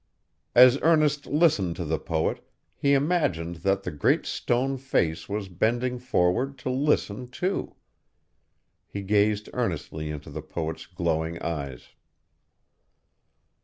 As Ernest listened to the poet, he imagined that the Great Stone Face was bending forward to listen too. He gazed earnestly into the poet's glowing eyes.